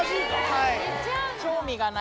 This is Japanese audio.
はい。